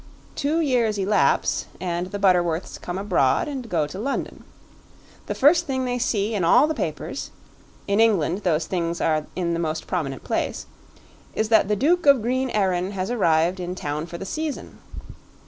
Two years elapse, and the Butterworths come abroad and go to London. The first thing they see in all the papers in England those things are in the most prominent place is that the Duke of Green Erin has arrived in town for the Season.